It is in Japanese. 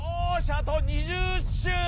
あと２０周！